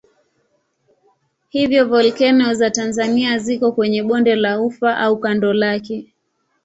Hivyo volkeno za Tanzania ziko kwenye bonde la Ufa au kando lake.